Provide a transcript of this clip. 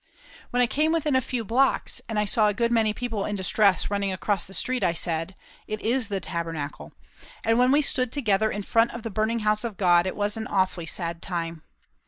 When I came within a few blocks, and I saw a good many people in distress running across the street, I said: "It is the Tabernacle"; and when we stood together in front of the burning house of God, it was an awfully sad time.